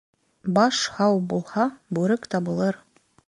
Баш һау булһа, бүрек табылыр.